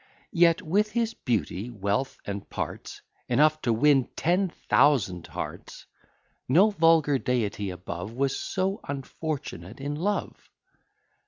Yet, with his beauty, wealth, and parts, Enough to win ten thousand hearts, No vulgar deity above Was so unfortunate in love.